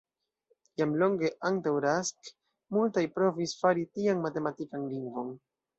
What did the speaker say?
Jam longe antaŭ Rask multaj provis fari tian matematikan lingvon.